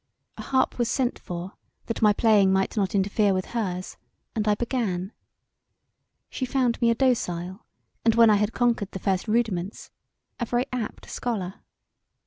A harp was sent for that my playing might not interfere with hers, and I began: she found me a docile and when I had conquered the first rudiments a very apt scholar.